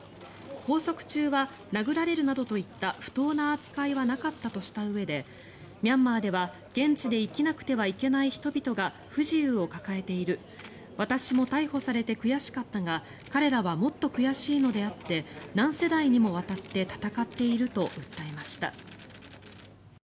拘束中は殴られるなどといった不当な扱いはなかったとしたうえでミャンマーでは現地で生きなくてはいけない人々が不自由を抱えている私も逮捕されて悔しかったが彼らはもっと悔しいのであって何世代にもわたって闘っていると訴えました。